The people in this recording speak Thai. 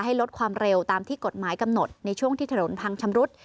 ลดความเร็วตามที่กฎหมายกำหนดในช่วงที่ถนนพังชำรุด